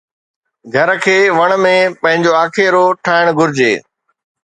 گهر کي وڻ ۾ پنهنجو آکيرو ٺاهڻ گهرجي